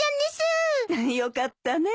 よかったね。